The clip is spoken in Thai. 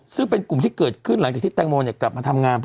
ซึ่งเป็นกลุ่มที่เกิดขึ้นหลังจากที่แตงโมกลับมาทำงานเพื่อ